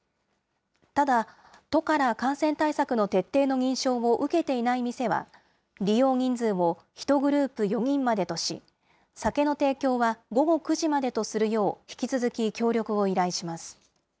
ただ、都から感染対策の徹底の認証を受けていない店は、利用人数を１グループ４人までとし、酒の提供は午後９時までとするよう引き続き協力を依頼します。